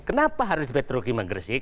kenapa harus di petro kimia gersik